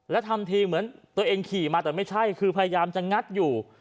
แล้วทำทีเหมือนตัวเองขี่มาแต่ไม่ใช่คือพยายามจะงัดอยู่